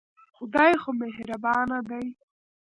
خدای خو مهربانه دی.